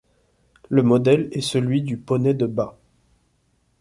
Le modèle est celui du poney de bât.